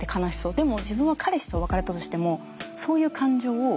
でも自分は彼氏と別れたとしてもそういう感情を抱いていない。